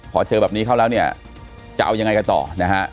พอเจอแบบนี้เข้าแล้วเนี่ยจะเอายังไงกันต่อนะฮะ